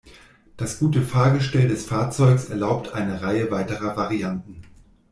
Das gute Fahrgestell des Fahrzeugs erlaubte eine Reihe weiterer Varianten.